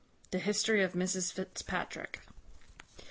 The history of Mrs Fitzpatrick.